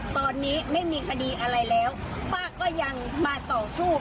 ตอนนี้ไม่มีคดีอะไรแล้วป้าก็ยังมาต่อสู้